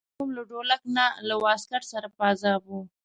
ماشوم له ډولک نه له واسکټ سره په عذاب و.